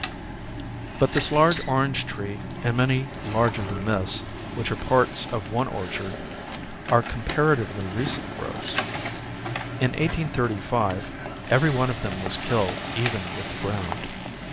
But this large orange tree, and many larger than this, which are parts of one orchard, are comparatively recent growths. In 1835, every one of them was killed even with the ground.